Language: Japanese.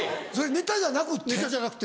ネタじゃなくて。